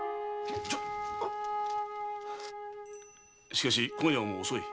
しかし今夜はもう遅い。